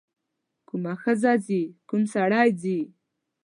کومه ښځه ځي کوم سړی ځي.